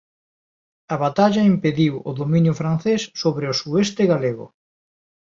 A batalla impediu o dominio francés sobre o sueste galego.